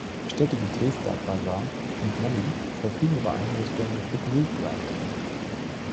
Städte wie Teesta Bazaar und Melli verfügen über Einrichtungen für Group-Rafting.